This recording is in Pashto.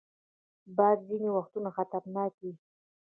باد ځینې وختونه خطرناک وي